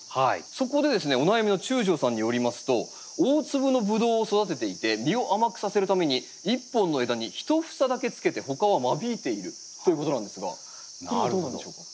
そこでですねお悩みの中條さんによりますと「大粒のブドウを育てていて実を甘くさせるために１本の枝に１房だけつけて他は間引いている」ということなんですがこれはどうなんでしょうか？